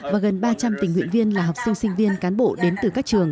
và gần ba trăm linh tình nguyện viên là học sinh sinh viên cán bộ đến từ các trường